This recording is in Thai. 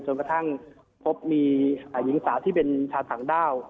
กระทั่งพบมีหญิงสาวที่เป็นชาวต่างด้าว